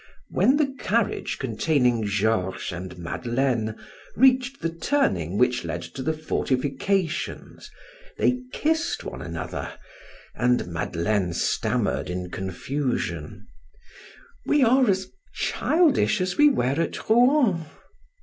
When the carriage containing Georges and Madeleine reached the turning which led to the fortifications, they kissed one another and Madeleine stammered in confusion: "We are as childish as we were at Rouen."